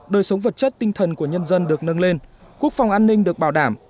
đời sống vật chất tinh thần của nhân dân được nâng lên quốc phòng an ninh được bảo đảm